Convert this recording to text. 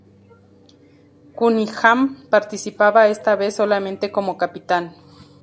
Cunningham participaba esta vez solamente como capitán.